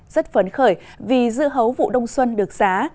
rất phấn khởi vì dưa hấu vụ đông xuân được giá